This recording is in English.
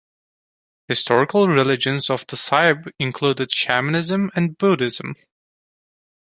Historical religions of the Sibe included shamanism and Buddhism.